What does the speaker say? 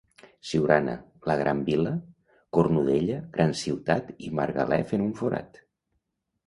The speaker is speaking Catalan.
Siurana, la gran vila, Cornudella, gran ciutat i Margalef en un forat.